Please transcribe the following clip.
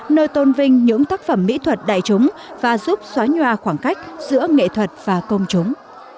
nơi tôn vinh những tác phẩm mỹ thuật đại chúng và giúp xóa nhòa khoảng cách giữa nghệ thuật và công chúng